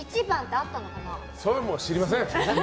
それはもう知りません！